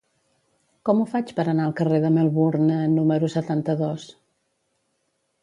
Com ho faig per anar al carrer de Melbourne número setanta-dos?